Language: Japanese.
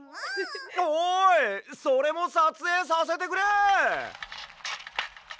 おいそれもさつえいさせてくれ！